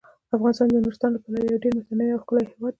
افغانستان د نورستان له پلوه یو ډیر متنوع او ښکلی هیواد دی.